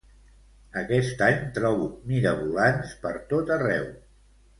Aquest any trobo mirabolans per tot arreu